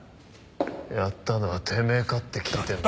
やったのはてめえかって聞いてんだよ。